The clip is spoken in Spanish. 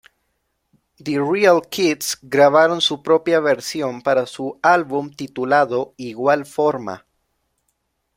The Real Kids grabaron su propia versión para su álbum titulado igual forma.